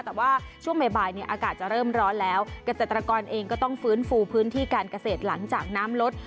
แต่ว่าช่วงบ่ายเนี่ยอากาศจะเริ่มร้อนแล้วเกษตรกรเองก็ต้องฟื้นฟูพื้นที่การเกษตรหลังจากน้ำลด